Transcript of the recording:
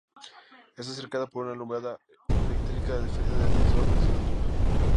Está cercada por una alambrada electrificada de tres metros de altura.